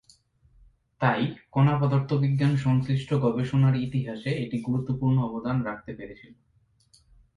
তাই কণা পদার্থবিজ্ঞান সংশ্লিষ্ট গবেষণার ইতিহাসে এটি গুরুত্বপূর্ণ অবদান রাখতে পেরেছিল।